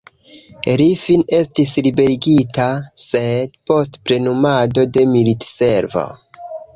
Li fine estis liberigita, sed post plenumado de militservo.